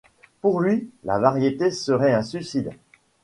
Pour lui, la vérité serait un suicide.